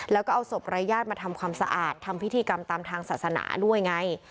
แล้วก็เอาศพรายญาติมาทำความสะอาดทำพิธีกรรมตามทางศาสนาด้วยไง